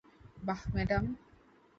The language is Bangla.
বাহ, ম্যাডাম।